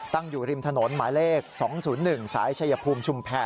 ตั้งอยู่ริมถนนหมายเลข๒๐๑สายชายภูมิชุมแพร